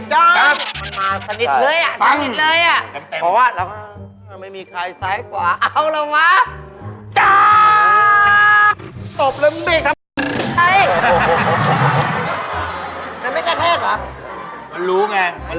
อย่างนั้นขับขับไปเรื่อย